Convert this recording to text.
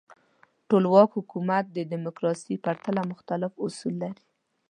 ټولواک حکومت د دموکراسۍ په پرتله مختلف اصول لري.